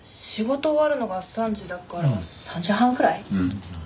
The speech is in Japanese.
仕事終わるのが３時だから３時半くらい？